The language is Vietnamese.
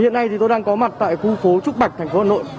hiện nay thì tôi đang có mặt tại khu phố trúc bạch tp hà nội